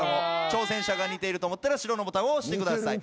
挑戦者が似てると思ったら白のボタンを押してください。